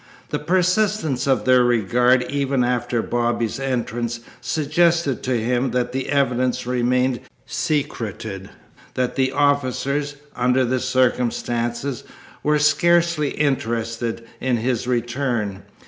The persistence of their regard even after Bobby's entrance suggested to him that the evidence remained secreted, that the officers, under the circumstances, were scarcely interested in his return.